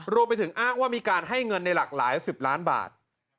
รวมไปถึงอ้างว่ามีการให้เงินในหลากหลาย๑๐ล้านบาท